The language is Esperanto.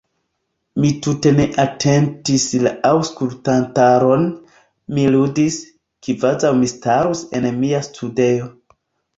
Mi tute ne atentis la aŭskultantaron; mi ludis, kvazaŭ mi starus en mia studejo.